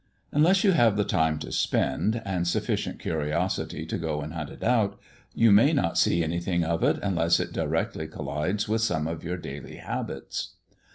Unless you have the time to spend, and sufficient curiosity to go and hunt it out, you may not see anything of it unless it directly collides with some of your daily habits.